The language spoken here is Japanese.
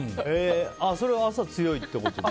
それは朝強いってことですか？